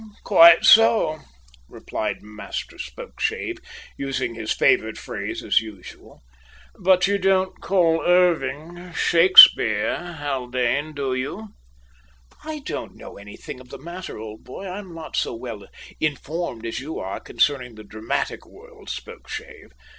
"Quite so," replied Master Spokeshave, using his favourite phrase as usual. "But you don't call Irving Shakespeare, Haldane, do ye?" "I don't know anything of the matter, old boy. I am not so well informed as you are concerning the dramatic world, Spokeshave.